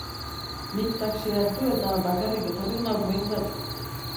Nik taxia hartu eta bakarrik etorri nauk behintzat.